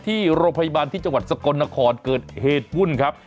ที่โรงพยาบาลที่จังหวัดสกลนครเกิดเหตุวุ่นครับ